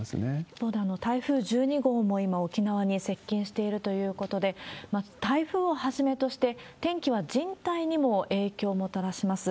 一方で台風１２号も今、沖縄に接近しているということで、台風をはじめとして、天気は人体にも影響をもたらします。